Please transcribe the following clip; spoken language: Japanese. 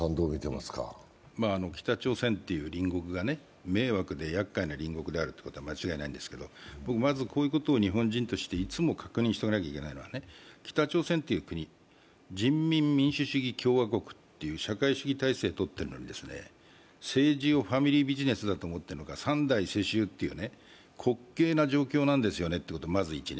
北朝鮮という隣国が迷惑でやっかいな隣国であるということは間違いないですけれどまずこういうことを日本人としていつも確認しておかなければいけないのは北朝鮮っていう国、人民民主主義共和国って社会主義体制をとってですね、政治をファミリービジネスだと思って３代世襲という滑稽な状況なんですよねということが１つ。